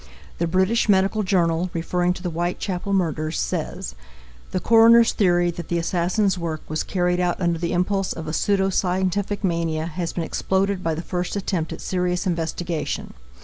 The British Medical Journal, referring to the Whitechapel murders, says: "The Coroner's theory that the assassin's work was carried out under the impulse of a pseudo scientific mania has been exploded by the first attempt at serious investigation.